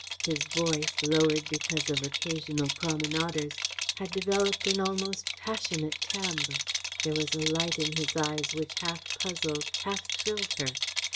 His voice, lowered because of occasional promenaders, had developed an almost passionate timbre. There was a light in his eyes which half puzzled, half thrilled her.